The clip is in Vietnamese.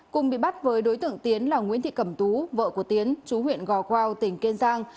cùng bị bắt với đối tượng tiến là nguyễn thị cẩm tú vợ của tiến chú huyện gò quao tỉnh kiên giang